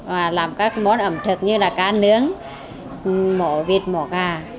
và làm các món ẩm thực như là cá nướng mổ vịt mỏ gà